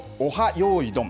よいどん。